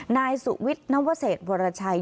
นายสุวิทย์นวเศษวรชัย